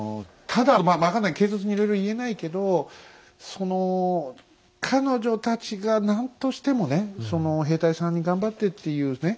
ただまあ分かんない軽率にいろいろ言えないけどその彼女たちが何としてもね兵隊さんに頑張ってっていうね